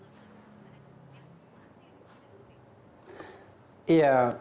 apakah musyawarah mufakat itu bisa dihukum